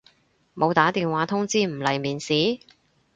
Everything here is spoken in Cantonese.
冇打電話通知唔嚟面試？